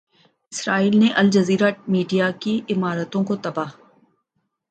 اسرائیل نے Al Jazeera media کی عمارتوں کو تباہ